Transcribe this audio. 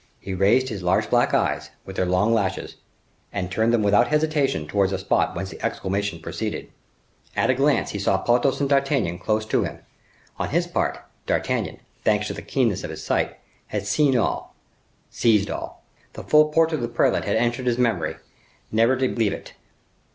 He raised his large black eyes, with their long lashes, and turned them without hesitation towards the spot whence the exclamation proceeded. At a glance, he saw Porthos and D'Artagnan close to him. On his part, D'Artagnan, thanks to the keenness of his sight, had seen all, seized all. The full portrait of the prelate had entered his memory, never to leave it.